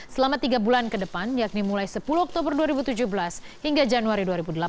selama tiga bulan ke depan yakni mulai sepuluh oktober dua ribu tujuh belas hingga januari dua ribu delapan belas